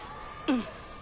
うん。